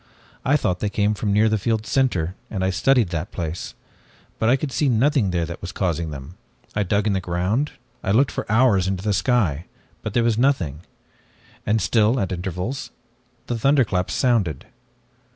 I thought they came from near the field's center, and I studied that place. But I could see nothing there that was causing them. I dug in the ground, I looked up for hours into the sky, but there was nothing. And still, at intervals, the thunderclaps sounded.